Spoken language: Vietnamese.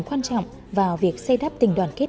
quan trọng vào việc xây đắp tình đoàn kết